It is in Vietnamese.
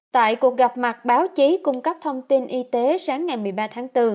tại cuộc gặp mặt báo chí cung cấp thông tin y tế sáng ngày một mươi ba tháng bốn